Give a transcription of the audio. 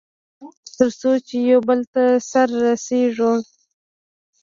تر څو چې يوبل ته سره رسېږي.